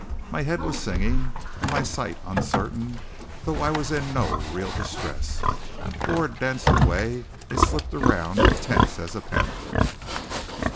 My head was singing, and my sight uncertain; though I was in no real distress. Ward danced away and slipped around tense as a panther.